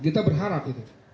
kita berharap itu